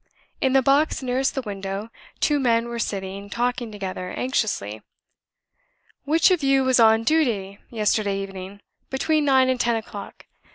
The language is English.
In the box nearest the window two men were sitting talking together anxiously. "Which of you was on duty yesterday evening, between nine and ten o'clock?"